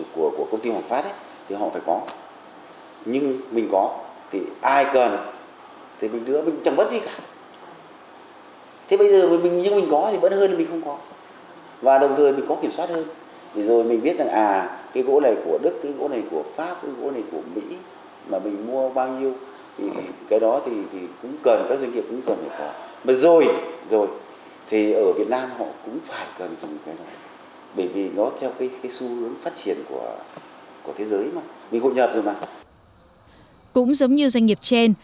cũng giống như doanh nghiệp trên